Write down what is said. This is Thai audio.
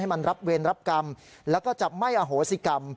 มันรับเวรรับกรรมแล้วก็จะไม่อโหสิกรรม